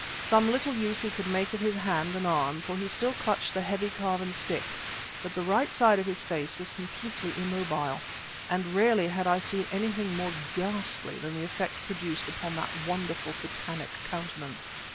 Some little use he could make of his hand and arm, for he still clutched the heavy carven stick, but the right side of his face was completely immobile; and rarely had I seen anything more ghastly than the effect produced upon that wonderful, Satanic countenance.